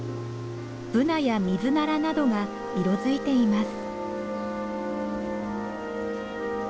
ブナやミズナラなどが色づいています。